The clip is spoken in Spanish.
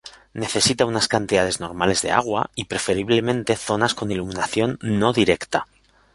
Necesita unas cantidades normales de agua, y preferiblemente, zonas con iluminación no directa.